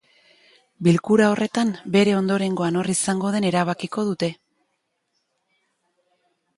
Bilkura horretan bere ondorengoa nor izango den erabakiko dute.